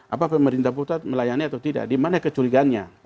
apakah pemerintah pusat melayani atau tidak dimana kecurigannya